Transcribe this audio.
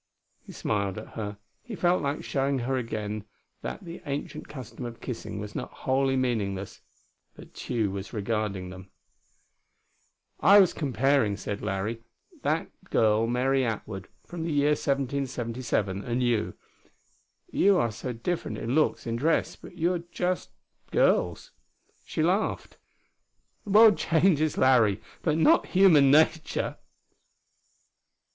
He smiled at her; he felt like showing her again that the ancient custom of kissing was not wholly meaningless, but Tugh was regarding them. "I was comparing," said Larry, "that girl Mary Atwood, from the year 1777, and you. You are so different in looks, in dress, but you're just girls." She laughed. "The world changes, Larry, but not human nature."